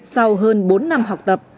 sau hơn bốn năm học tập